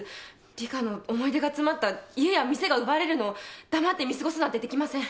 リカの思い出が詰まった家や店が奪われるのを黙って見過ごすなんてできません。